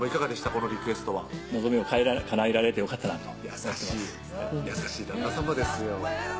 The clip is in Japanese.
このリクエストは望みをかなえられてよかったなと優しい優しい旦那さまですよ